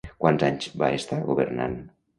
Quants anys va estar governant?